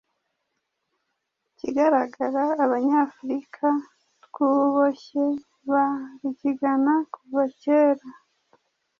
Ikigaragara abanyafrika twuboshye ba rugigana kuva kera